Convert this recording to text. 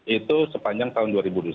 itu sepanjang tahun dua ribu dua puluh